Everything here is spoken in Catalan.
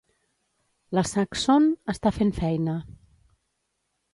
La Saxon està fent feina.